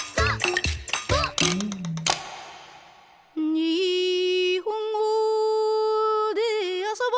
「にほんごであそぼ」